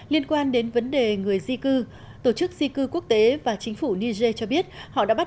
liên quan đến vấn đề người di cư tổ chức di cư quốc tế và chính phủ niger cho biết họ đã bắt